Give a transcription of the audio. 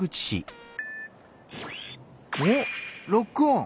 おおロックオン！